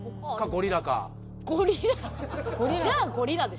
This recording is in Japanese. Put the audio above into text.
ゴリラ。じゃあゴリラでしょ。